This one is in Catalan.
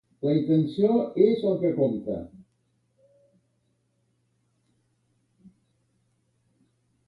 La intenció és el que compta.